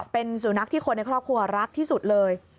เป็นสุนัขที่คนในครอบครัวรักที่สุดเลย